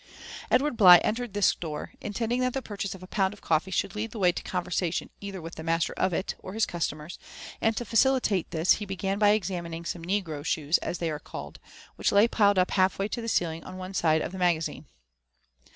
Edward Bligh entered this store, intending that the purchase of a pound of coffee, should lead the way to conversation either with the master of it, or bis cnstomen ; and to facilitate this, he began by exa mining some ''oegre dioes," as they are called, which lay piled up haK way to the oeilii^ on one side of the magazine.